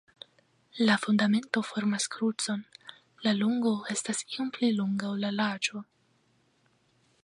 La fundamento formas krucon, la longo estas iom pli longa, ol la larĝo.